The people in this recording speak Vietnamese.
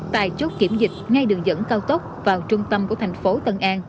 tại chỗ kiểm dịch ngay đường dẫn cao tốc vào trung tâm của tp tân an